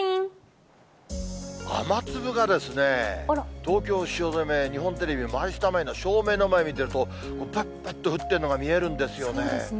雨粒がですね、東京・汐留、日本テレビマイスタ前の照明の前見てると、ぱっぱっと降っているのが見えるんですよね。